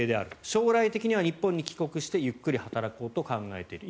将来的には日本に帰国してゆっくり働こうと思っている。